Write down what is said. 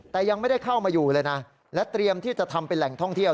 แต่ยังไม่ได้เข้ามาอยู่เลยนะและเตรียมที่จะทำเป็นแหล่งท่องเที่ยว